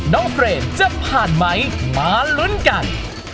เฟรมจะผ่านไหมมาลุ้นกัน